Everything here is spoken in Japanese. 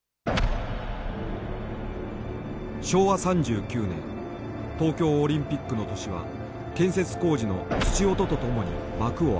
昭和３９年東京オリンピックの年は建設工事の槌音とともに幕を開けた。